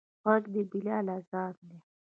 غږ د بلال اذان دی